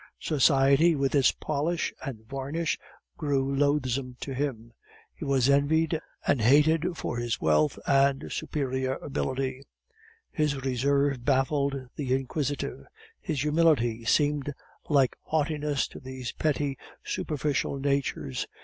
Society with its polish and varnish grew loathsome to him. He was envied and hated for his wealth and superior ability; his reserve baffled the inquisitive; his humility seemed like haughtiness to these petty superficial natures.